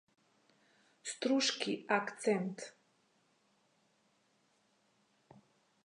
Struski akcent